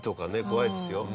怖いですよ。